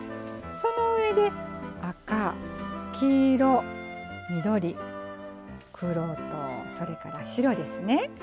その上で赤黄色緑黒とそれから白ですね。